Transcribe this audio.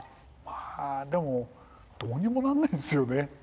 まあでもどうにもなんないですよね。